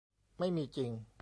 ไม่มีจริง